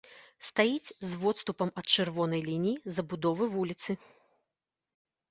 Стаіць з водступам ад чырвонай лініі забудовы вуліцы.